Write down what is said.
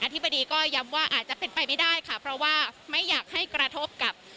ธิบดีก็ย้ำว่าอาจจะเป็นไปไม่ได้ค่ะเพราะว่าไม่อยากให้กระทบกับ